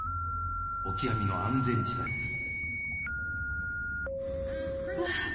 オキアミの安全地帯です。